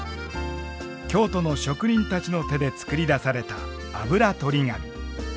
京都の職人たちの手で作り出されたあぶらとり紙。